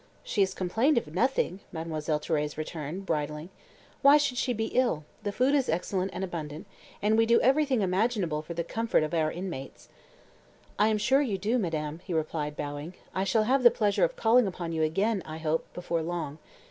"She has complained of nothing," Mademoiselle Thérèse returned, bridling. "Why should she be ill? The food is excellent and abundant, and we do everything imaginable for the comfort of our inmates." "I am sure you do, madame," he replied, bowing. "I shall have the pleasure of calling upon you again, I hope, before long.